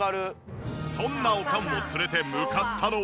そんなおかんを連れて向かったのは。